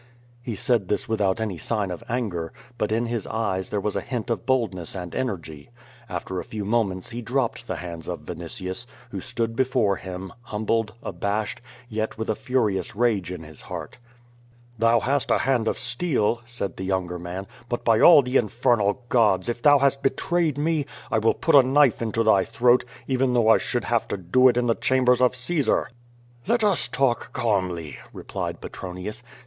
He said this without any sign of anger, but in his eyes QUO VADIS. 45 there was a hint of boldness and energy. After a few mo ments he dropped the hands of Vinitius, who stood before him, humbled, abashed, yet with furious rage in his heart. "Thou hast a hand of steel,^' said the younger man, "but by all the infernal gods, if thou hast betrayed me, I will put a knife into thy throat, even though I should have to do it in the chambers of Caesar." "Let us talk calmly," replied Petronius.